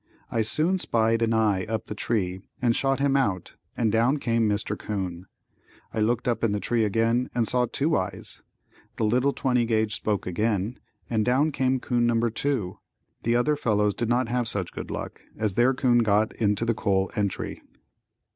I soon spied an eye up the tree and shot him out and down came Mr. 'Coon. I looked up in the tree again and saw two eyes. The little 20 gauge spoke again and down came 'coon No. 2. The other fellows did not have such good luck, as their coon got into the coal entry.